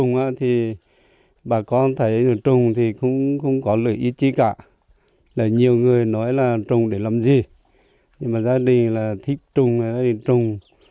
nhiều người nói là trồng để làm gì nhưng mà gia đình là thích trồng gia đình trồng